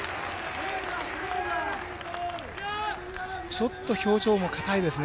ちょっと表情も硬いですね。